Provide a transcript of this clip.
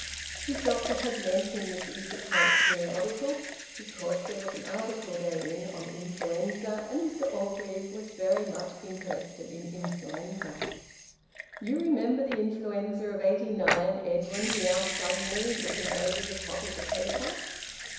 His doctor had lent him this esoteric periodical because there was an article therein on influenza, and Mr Orgreave was very much interested in influenza. "You remember the influenza of '89, Edwin?" he asked suddenly, looking over the top of the paper.